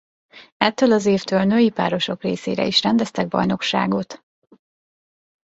Ettől az évtől női párosok részére is rendeztek bajnokságot.